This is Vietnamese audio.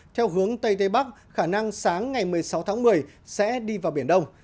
theo hướng tây tây bắc khả năng sáng ngày một mươi sáu tháng một mươi sẽ đi vào biển đông